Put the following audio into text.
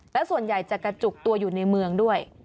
และส่วนใหญ่จะกระจุกตัวอยู่ในเมืองด้วย